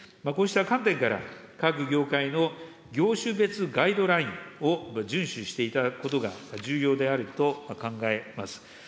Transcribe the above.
こうした観点から、各業界の業種別ガイドラインを順守していただくことが重要であると考えます。